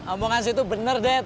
omongan situ bener dad